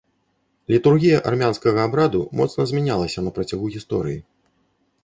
Літургія армянскага абраду моцна змянялася на працягу гісторыі.